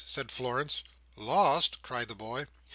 said Florence. "Lost!" cried the boy.